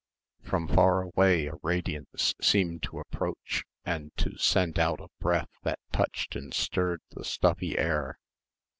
From far away a radiance seemed to approach and to send out a breath that touched and stirred the stuffy air